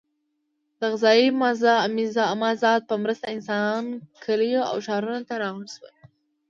د غذایي مازاد په مرسته انسانان کلیو او ښارونو ته راغونډ شول.